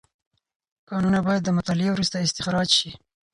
کانونه باید د مطالعې وروسته استخراج شي.